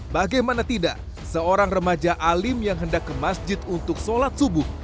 bagaimana tidak seorang remaja alim yang hendak ke masjid untuk sholat subuh